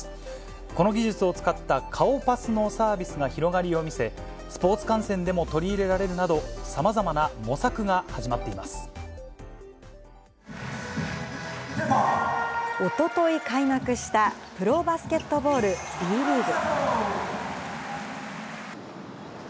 この技術を使った顔パスのサービスが広がりを見せ、スポーツ観戦でも取り入れられるなど、おととい開幕したプロバスケットボール・Ｂリーグ。